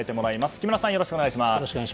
木村さん、よろしくお願いします。